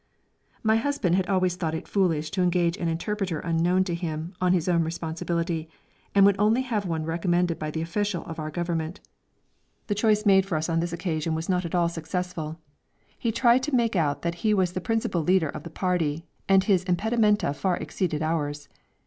My husband had always thought it foolish to engage an interpreter unknown to him, on his own responsibility, and would only have one recommended by the official of our Government. The choice made for us on this occasion was not at all successful. He tried to make out that he was the principal leader of the party, and his impedimenta far exceeded ours.